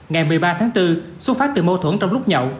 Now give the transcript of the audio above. ngày một mươi ba tháng bốn xuất phát từ mâu thuẫn trong lúc nhậu